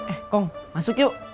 eh kong masuk yuk